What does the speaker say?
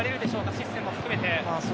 システムを含めて。